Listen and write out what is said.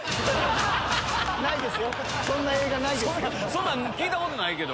そんな映画ないですけど。